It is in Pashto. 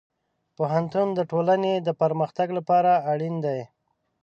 پوهنتون د ټولنې د پرمختګ لپاره اړین دی.